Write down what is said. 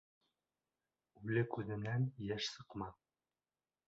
Үле күҙенән йәш сыҡмаҫ.